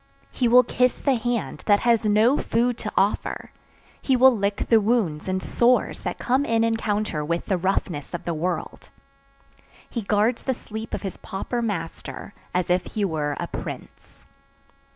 He will kiss the hand that has no food to offer, he will lick the wounds and sores that come in encounter with the roughness of the world. He guards the sleep of his pauper master as if he were a prince.